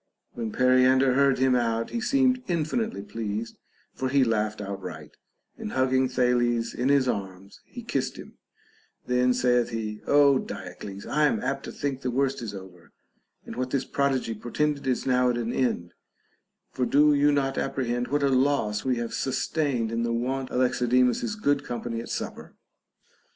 When Periander heard him out, he seemed infinitely pleased, for he laughed outright, and hugging Thales in his arms he kissed him ; then saith he, Ο Diocles, I am apt to think the worst is over, and what this prodigy portended is now at an end ; for do you not apprehend what a loss we have sustained in the want of Alexidemus's good company at supper